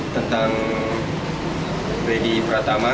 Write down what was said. tentang redi pratama